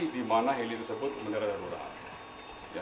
dimana heli tersebut menerah darurat